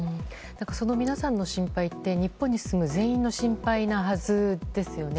その皆さんの心配って日本に住む全員の心配なはずですよね。